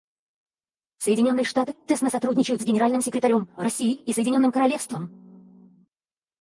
Соединенные Штаты тесно сотрудничают с Генеральным секретарем, Россией и Соединенным Королевством.